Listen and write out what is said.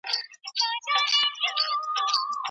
څوک د ټولني په کچه د مثبتو بدلونونو راوستلو هڅه کوي؟